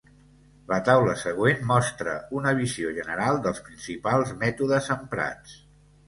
La taula següent mostra una visió general dels principals mètodes emprats.